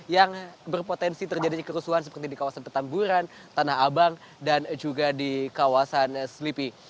yang berpotensi terjadinya kerusuhan seperti di kawasan petamburan tanah abang dan juga di kawasan sleepy